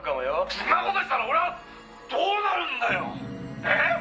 「そんな事したら俺はどうなるんだよええっ！？」